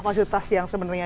fasilitas yang sebenarnya